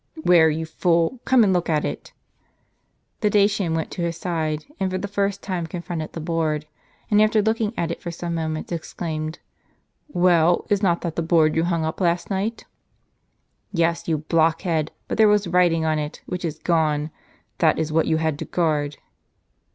" Where, you fool? Come and look at it." The Dacian went to his side, and for the first time con fronted the board ; and after looking at it for some moments, exclaimed :" Well, is not that the board you hung up last night?" "Yes, you blockhead, but there was writing on it, which is gone. That is what you had to guard."